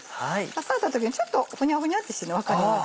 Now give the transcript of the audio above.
触った時にちょっとフニャフニャってしてるの分かります？